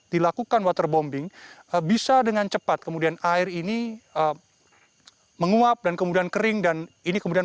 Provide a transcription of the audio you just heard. dilakukan waterbombing bisa dengan cepat kemudian air ini menguap dan kemudian kering dan ini kemudian